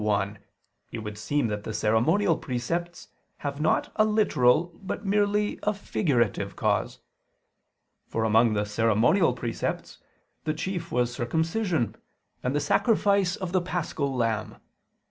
Objection 1: It would seem that the ceremonial precepts have not a literal, but merely a figurative cause. For among the ceremonial precepts, the chief was circumcision and the sacrifice of the paschal lamb.